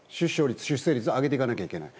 出生率を上げていかないといけない。